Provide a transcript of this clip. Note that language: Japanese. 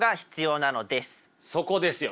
そこですよ。